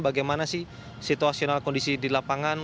bagaimana sih situasional kondisi di lapangan